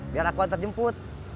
biar aku antar jemput